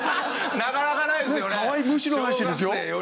なかなかないですよね。